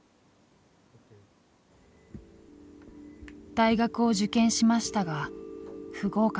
大学を受験しましたが不合格。